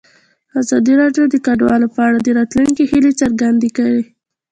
ازادي راډیو د کډوال په اړه د راتلونکي هیلې څرګندې کړې.